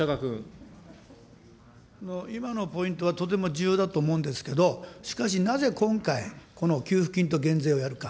今のポイントはとても重要だと思うんですけど、しかしなぜ今回、この給付金と減税をやるか。